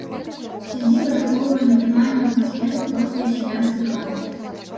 Сядзіба захоўвае натуральную атмасферу простай сялянскай хаты.